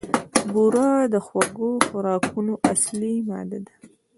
بوره د خوږو خوراکونو اصلي ماده ده.